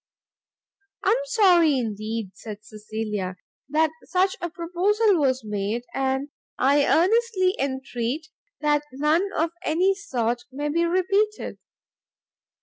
"I am sorry, indeed," said Cecilia, "that such a proposal was made, and I earnestly entreat that none of any sort may be repeated."